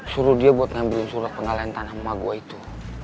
suruh dia buat ngambilin surat penggalanian tanah emak gua itu